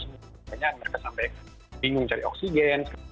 sebenarnya mereka sampai bingung cari oksigen